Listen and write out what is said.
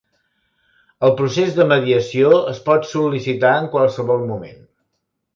El procés de mediació es pot sol·licitar en qualsevol moment.